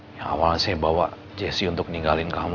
yang awalnya saya bawa jessi untuk ninggalin kamu